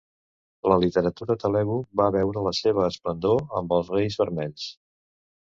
La literatura telugu va veure la seva esplendor amb els reis vermells.